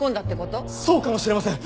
そうかもしれません！